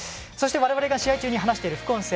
我々が試合中に話している副音声